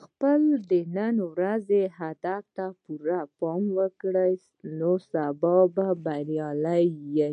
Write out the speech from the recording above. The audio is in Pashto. خپل د نن ورځې هدف ته پوره پام وکړه، نو سبا به بریالی یې.